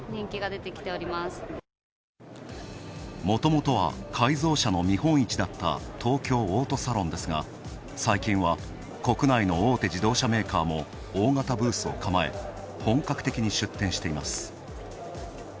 もともとは改造車の見本市だった東京オートサロンですが最近は国内の大手自動車メーカーも大型ブースを構え本格的に出展しています。